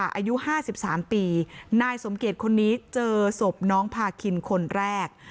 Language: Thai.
อายุ๕๓ปีนายสมเกียจคนนี้เจอศพน้องพาคินคนแรก